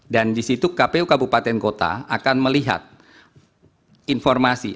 dan di situ kpu kabupaten kota akan melihat informasi